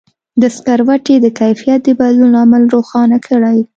د سکروټي د کیفیت د بدلون لامل روښانه کړئ.